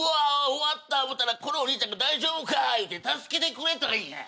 終わった思ったらこのお兄ちゃんが「大丈夫か？」言うて助けてくれたんや。